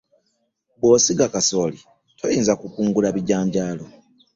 Bw’osiga kasooli, toyinza kukungula bijanjaalo.